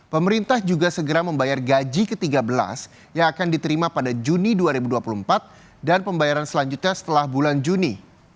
pemerintah juga segera membayar gaji ke tiga belas yang akan diterima pada juni dua ribu dua puluh empat dan pembayaran selanjutnya setelah bulan juni